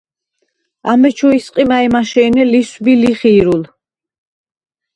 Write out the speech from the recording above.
ამეჩუ ისყი მა̄̈ჲმაშე̄ნე ლისვბი-ლიხი̄რულ.